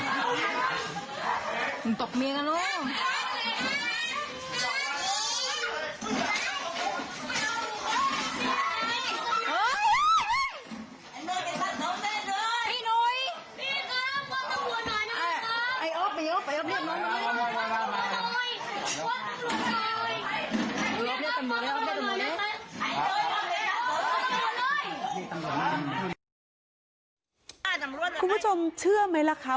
ไอ้ใตช่วยที่สำคัญ